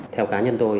theo cá nhân tôi